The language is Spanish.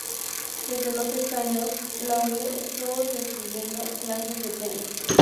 Desde los seis años Laurie estuvo recibiendo clases de piano.